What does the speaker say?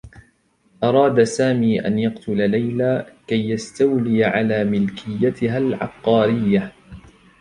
أراد سامي أن يقتل ليلى كي يستولي على ملكيتها العقّاريّة.